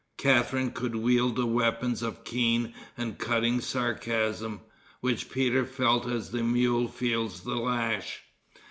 Catharine could wield the weapons of keen and cutting sarcasm, which Peter felt as the mule feels the lash.